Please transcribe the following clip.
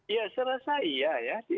ya serah saya ya